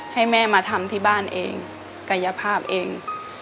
ให้แม่มาทำที่บ้านเองกายภาพเอง